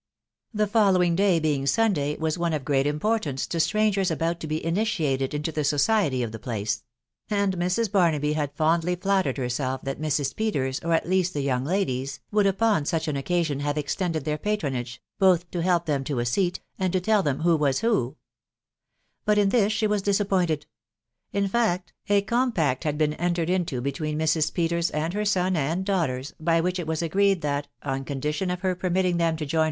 The following day being Sunday was one1 of great impact* a nee to strangers about to be initiated into the society of the place; and Mrs, Barnahy had fondly flattered herself that Mrs. Fleterg ir at least the young ladies, wo\x\& u$on «&&. «n ram widow BARftusr. 159 occasion have extended their patronage, both, to help them to a seat, and to tell them "who was who,'* Bit: in thia she was disappointed: in feet, a compact had been entered, into between Mrs. Peters and her sen and daughters, by which it was agreed that, on conditio!* of her permitting then to jose*.